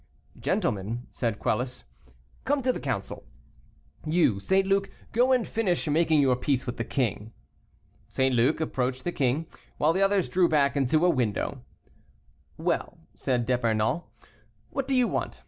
"Gentlemen," said Quelus, "come to the council; you, St. Luc, go and finish making your peace with the king." St. Luc approached the king, while the others drew back into a window. "Well," said D'Epernon, "what do you want?